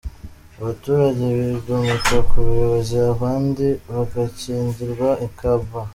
Abaturage bigomeka ku buyobozi, abandi bagakingirwa ikibaba.